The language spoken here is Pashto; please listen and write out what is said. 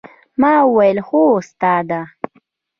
ما وويل هو استاده!